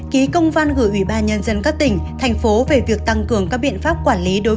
ký công văn gửi ủy ban nhân dân các tỉnh thành phố về việc tăng cường các biện pháp quản lý đối với